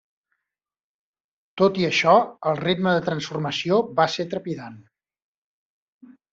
Tot i això el ritme de transformació va ser trepidant.